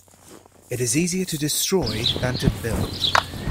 It is easier to destroy than to build.